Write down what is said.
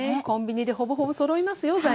コンビニでほぼほぼそろいますよ